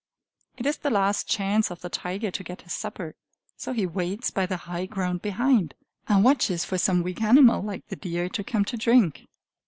It is the last chance of the tiger to get his supper; so he waits by the high ground behind, and watches for some weak animal like the deer to come to drink.